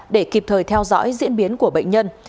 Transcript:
để kịp thời theo dõi diễn biến của bệnh nhân